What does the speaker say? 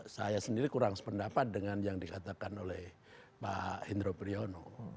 saya sendiri kurang sependapat dengan yang dikatakan oleh pak hendro priyono